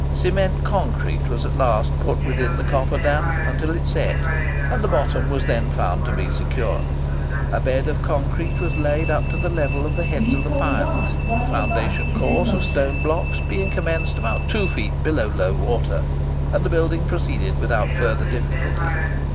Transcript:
Cement concrete was at last put within the coffer dam, until it set, and the bottom was then found to be secure. A bed of concrete was laid up to the level of the heads of the piles, the foundation course of stone blocks being commenced about two feet below low water, and the building proceeded without further difficulty.